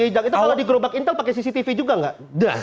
itu kalau di gerobak intel pakai cctv juga nggak